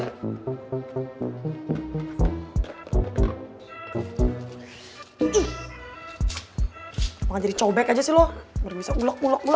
kamu gak jadi cobek aja sih lo baru bisa ulog ulog tiap hari